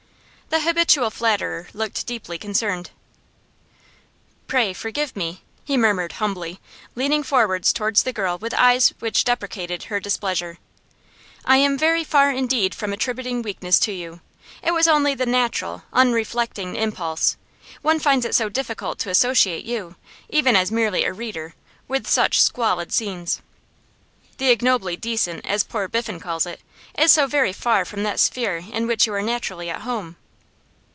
The habitual flatterer looked deeply concerned. 'Pray forgive me!' he murmured humbly, leaning forwards towards the girl with eyes which deprecated her displeasure. 'I am very far indeed from attributing weakness to you. It was only the natural, unreflecting impulse; one finds it so difficult to associate you, even as merely a reader, with such squalid scenes. The ignobly decent, as poor Biffen calls it, is so very far from that sphere in which you are naturally at home.